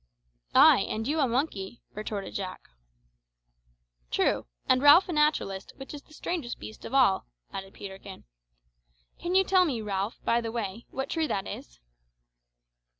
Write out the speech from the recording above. "Ay, and you a monkey," retorted Jack. "True; and Ralph a naturalist, which is the strangest beast of all," added Peterkin. "Can you tell me, Ralph, by the way, what tree that is?"